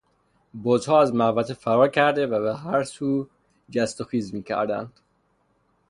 بزها از محوطه فرار کرده و به هر سو جست و خیز میکردند.